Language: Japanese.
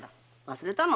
忘れたの？